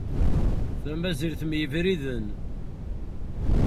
Tamazirt mm yebriden.